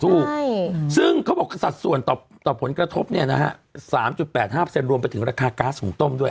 ถูกซึ่งเขาบอกสัดส่วนต่อผลกระทบเนี่ยนะฮะ๓๘๕รวมไปถึงราคาก๊าซหุงต้มด้วย